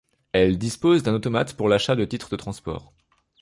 Elle dispose d'un automate pour l'achat de titres de transport.